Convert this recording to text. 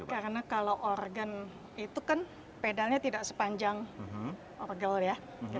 karena kalau organ itu kan pedalnya tidak sepanjang orgel ya